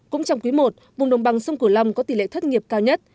cũng trong quý i vùng đồng bằng sông cửu long có tỷ lệ thất nghiệp cao nhất